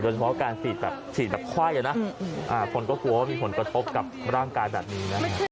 โดยเฉพาะการชีดแบบไขว่นะคนก็กลัวว่ามีผลกระทบกับร่างกายแบบนี้